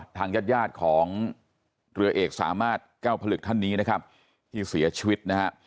ทางญาติยาดของเรือเอกสามารถแก้วผลึกท่านนี้ที่เสียชีวิต